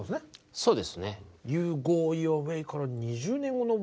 そうですね。